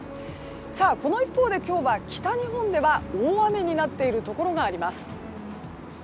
この一方で今日は、北日本では大雨になっているところがあります。